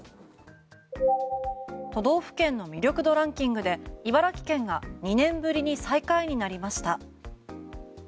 都道府県の魅力度ランキングで茨城県が２年ぶりに最下位になりました。